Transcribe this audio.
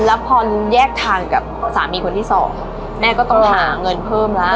แล้วพอแยกทางกับสามีคนที่สองแม่ก็ต้องหาเงินเพิ่มแล้ว